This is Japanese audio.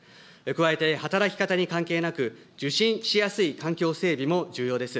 加えて働き方に関係なく、受診しやすい環境整備も重要です。